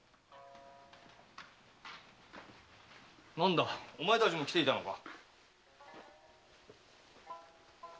何だお前たちも来ていたのか。